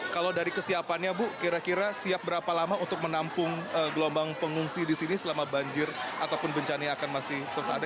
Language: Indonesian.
kalau dari kesiapannya bu kira kira siap berapa lama untuk menampung gelombang pengungsi di sini selama banjir ataupun bencana akan masih terus ada